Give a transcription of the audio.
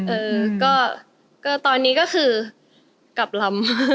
เออก็ตอนนี้ก็คือกลับลำ